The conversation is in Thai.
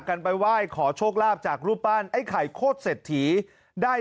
กันไปไหว้ขอโชคลาภจากรูปปั้นไอ้ไข่โคตรเศรษฐีได้